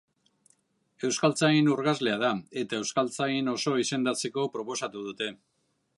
Euskaltzain urgazlea da, eta euskaltzain oso izendatzeko proposatu dute.